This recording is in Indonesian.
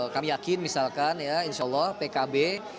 kami yakin misalkan ya insya allah pkb